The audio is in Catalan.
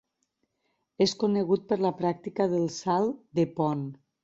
És conegut per la pràctica del salt de pont.